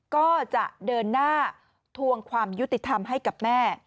ก็จะเดินหน้าทวงความยุติธรรมให้กับแม่